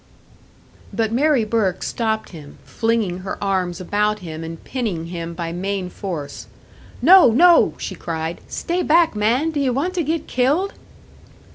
But Mary Burke stopped him, flinging her arms about him, and pinning him by main force. "No, no!" she cried. "Stay back, man! D'ye want to get killed?"